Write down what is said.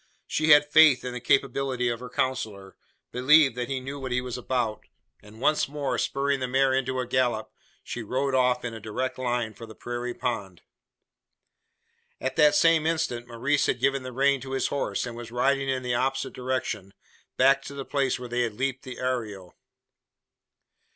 She had faith in the capability of her counsellor believed that he knew what he was about and, once more spurring the mare into a gallop, she rode off in a direct line for the prairie pond. At the same instant, Maurice had given the rein to his horse, and was riding in the opposite direction back to the place where they had leaped the arroyo!